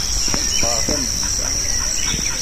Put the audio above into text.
Ad ffɣeɣ tameddit-a.